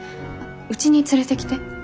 うちに連れてきて。